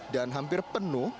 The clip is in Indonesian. dan hampir penuh